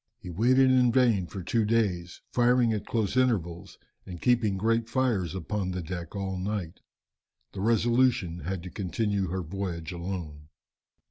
He waited in vain for two days, firing at close intervals and keeping great fires upon the deck all night. The Resolution had to continue her voyage alone.